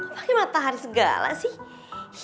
ngapain matahari segala sih